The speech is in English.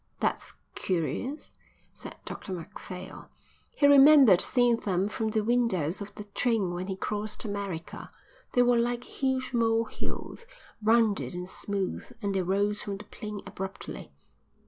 "That's curious," said Dr Macphail. He remembered seeing them from the windows of the train when he crossed America. They were like huge mole hills, rounded and smooth, and they rose from the plain abruptly.